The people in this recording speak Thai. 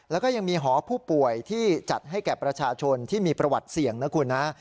แล้วก็ยังมีหอผู้ป่วยที่จัดให้แก่ประชาชนที่มีประวัติเสี่ยงนะคุณนะ